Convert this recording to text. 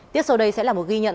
tiếp sau đây sẽ là một ghi nhận